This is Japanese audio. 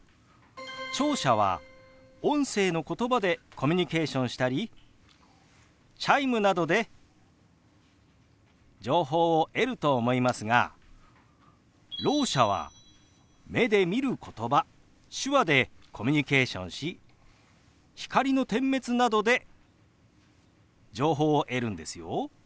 聴者は音声のことばでコミュニケーションしたりチャイムなどで情報を得ると思いますがろう者は目で見ることば手話でコミュニケーションし光の点滅などで情報を得るんですよ。